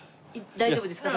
大丈夫ですよ。